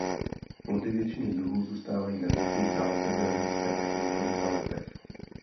Plody většiny druhů zůstávají na větvích a otevírají se až po několika letech.